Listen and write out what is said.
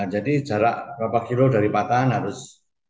jadi jarak berapa kilo dari patahan harus